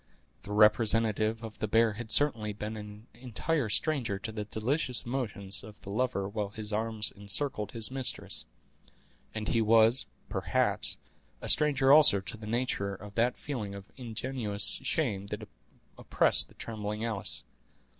The representative of the bear had certainly been an entire stranger to the delicious emotions of the lover while his arms encircled his mistress; and he was, perhaps, a stranger also to the nature of that feeling of ingenuous shame that oppressed the trembling Alice.